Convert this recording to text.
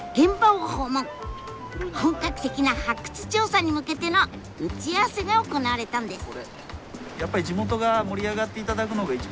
本格的な発掘調査に向けての打ち合わせが行われたんです。